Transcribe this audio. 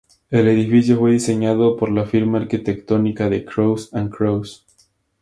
El edificio fue diseñado por la firma arquitectónica de Cross and Cross.